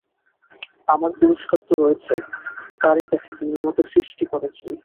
আমার পুরস্কার তো রয়েছে তারই কাছে যিনি আমাকে সৃষ্টি করেছেন।